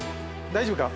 大丈夫か？